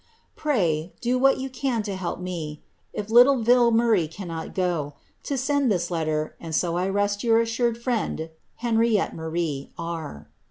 Pray, do what you can to helpe me (if litle Vill Murray cannot goe) to Mod this lettre, and so I rest your assured frond, Hbvbibttb BfAaiB, R.